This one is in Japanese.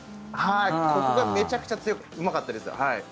ここがめちゃくちゃうまかったです。